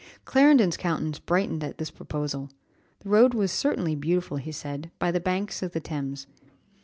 Clarendon's countenance brightened at this proposal. The road was certainly beautiful, he said, by the banks of the Thames.